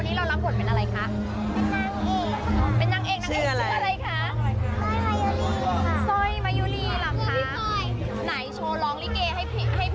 ในเวอร์ชันของผู้ใหญ่ก็จะเป็นคุณเบ้งที่เป็นคนเล่นเอง